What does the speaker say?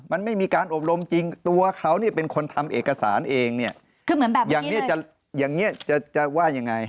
มันไม่มีการอบรมจริงตัวเขาเป็นคนทำเอกสารเอง